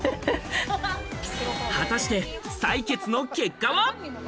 果たして、採血の結果は？